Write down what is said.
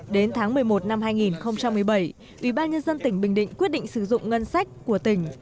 đến tháng một mươi một năm hai nghìn một mươi bảy ủy ban nhân dân tỉnh bình định quyết định sử dụng ngân sách của tỉnh